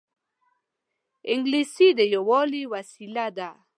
انګلیسي د یووالي وسیله ده